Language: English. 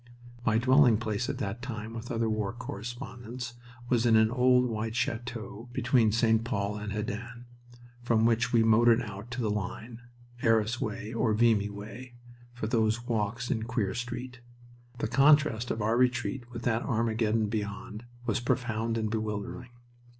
My dwelling place at that time, with other war correspondents, was in an old white chateau between St. Pol and Hesdin, from which we motored out to the line, Arras way or Vimy way, for those walks in Queer Street. The contrast of our retreat with that Armageddon beyond was profound and bewildering.